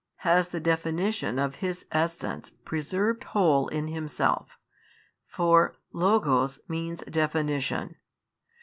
has the definition of His Essence preserved whole in Himself, for λόγος means definition.